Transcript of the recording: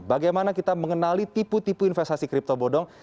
bagaimana kita mengenali tipu tipu investasi kripto bodong